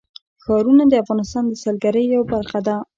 ښارونه د افغانستان د سیلګرۍ یوه برخه ده.